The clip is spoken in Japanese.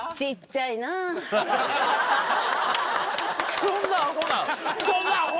そんなアホな。